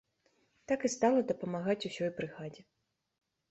Так і стала дапамагаць усёй брыгадзе.